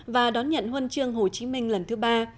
và đón nhận huân chương hồ chí minh lần thứ ba